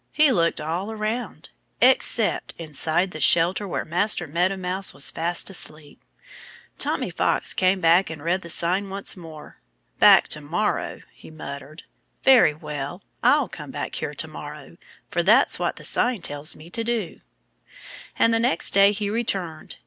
He looked all around except inside the shelter where Master Meadow Mouse was fast asleep. Tommy Fox came back and read the sign once more. "Back To morrow," he muttered. "Very well! I'll come back here to morrow. For that's what the sign tells me to do." And the next day he returned.